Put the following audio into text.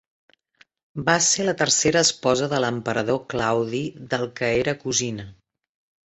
Va ser la tercera esposa de l'emperador Claudi del que era cosina.